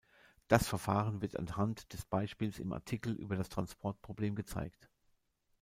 Das Verfahren wird anhand des Beispiels im Artikel über das Transportproblem gezeigt.